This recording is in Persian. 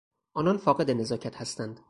آنان فاقد نزاکت هستند.